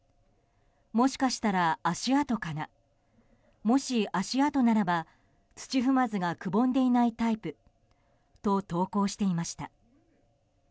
もしかしたら、足跡かなもし足跡ならば、土踏まずがくぼんでいないタイプと投稿していました。